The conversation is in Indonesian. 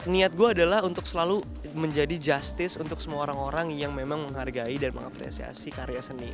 niat gue adalah untuk selalu menjadi justice untuk semua orang orang yang memang menghargai dan mengapresiasi karya seni